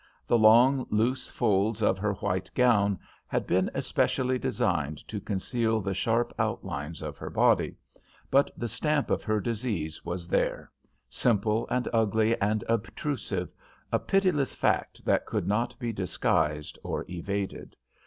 The long, loose folds of her white gown had been especially designed to conceal the sharp outlines of her body, but the stamp of her disease was there; simple and ugly and obtrusive, a pitiless fact that could not be disguised or evaded.